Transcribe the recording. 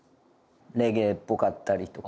レゲエっぽかったりとか。